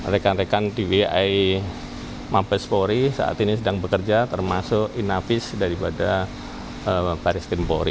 rekan rekan di wi mampes polri saat ini sedang bekerja termasuk inapis daripada baris tim polri